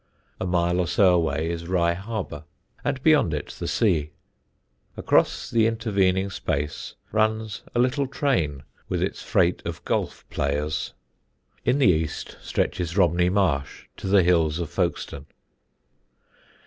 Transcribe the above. A mile or so away is Rye Harbour, and beyond it the sea; across the intervening space runs a little train with its freight of golf players. In the east stretches Romney Marsh to the hills of Folkestone.